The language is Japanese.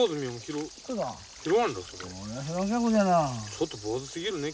ちょっと坊主すぎるね。